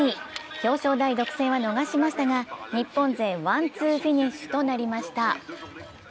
表彰台独占は逃しましたが日本勢ワン・ツーフィニッシュとなりました。